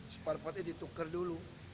separpati ditukar dulu